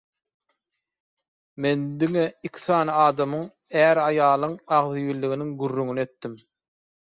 Men diňe iki sany adamyň – är-aýalyň agzybirliginiň gürrüňini etdim.